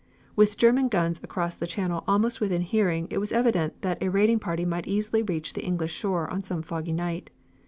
With German guns across the Channel almost within hearing it was evident that a raiding party might easily reach the English shore on some foggy night.